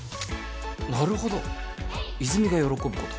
なるほど泉が喜ぶこと